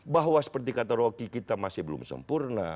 bahwa seperti kata rocky kita masih belum sempurna